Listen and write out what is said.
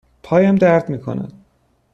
پایم درد می کند.